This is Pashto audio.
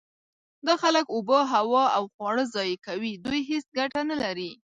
دا خلک اوبه، هوا او خواړه ضایع کوي. دوی هیڅ ګټه نلري.